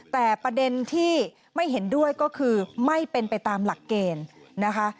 แต่ประเด็นที่ไม่เห็นด้วยก็คือไม่เป็นไปตามหลักเกณฑ์นะคะ